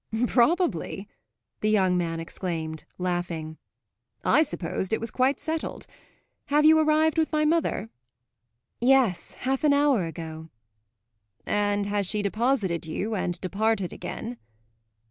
"Probably?" the young man exclaimed, laughing. "I supposed it was quite settled! Have you arrived with my mother?" "Yes, half an hour ago." "And has she deposited you and departed again?"